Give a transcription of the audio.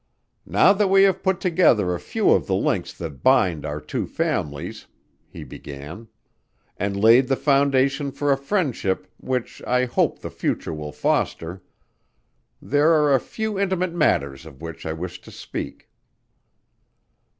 "Now that we have put together a few of the links that bind our two families," he began, "and laid the foundation for a friendship which I hope the future will foster, there are a few intimate matters of which I wish to speak.